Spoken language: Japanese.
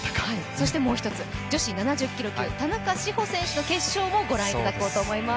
そしてもう一つ、女子７０キロ級、田中志歩選手の試合、見ていただこうと思います。